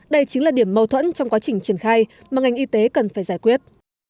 đây chính là điểm mâu thuẫn trong quá trình triển khai mà ngành y tế cần phải giải quyết